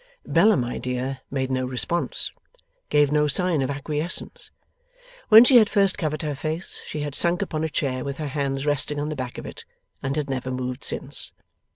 Bella my dear made no response, gave no sign of acquiescence. When she had first covered her face she had sunk upon a chair with her hands resting on the back of it, and had never moved since.